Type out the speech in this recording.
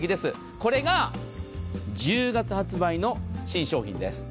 これが１０月発売の新商品です。